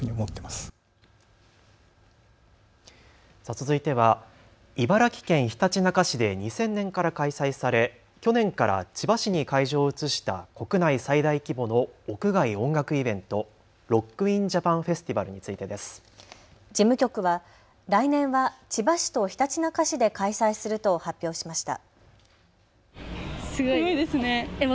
続いては茨城県ひたちなか市で２０００年から開催され去年から千葉市に会場を移した国内最大規模の屋外音楽イベント、ロック・イン・ジャパン・フェスティバルについてです。事務局は来年は千葉市とひたちなか市で開催すると発表しました。